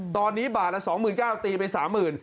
ตอนนี้บาทละสองหมื่นเก้าตีไปสามหมื่น